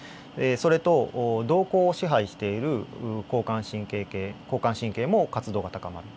それと瞳孔を支配している交感神経系交感神経も活動が高まる。